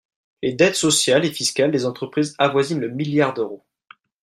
Les dettes sociales et fiscales des entreprises avoisinent le milliard d’euros.